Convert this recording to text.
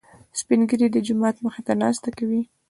سپين ږيري د جومات مخې ته ناسته کوي.